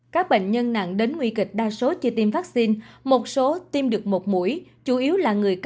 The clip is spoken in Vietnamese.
các bệnh nhân nặng đến nguy kịch đa số chưa tiêm vaccine một số tiêm được một mũi